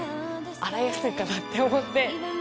洗いやすいかなって思って。